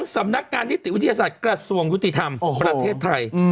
สำนักงานนิติวิทยาศาสตร์กระทรวงยุติธรรมประเทศไทย